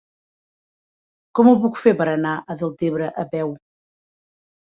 Com ho puc fer per anar a Deltebre a peu?